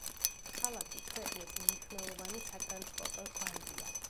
ქალაქი ქვეყნის მნიშვნელოვანი სატრანსპორტო კვანძია.